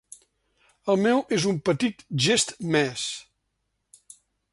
El meu és un petit gest més.